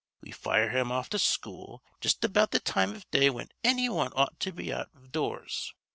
We fire him off to school just about th' time iv day whin anny wan ought to be out iv dures.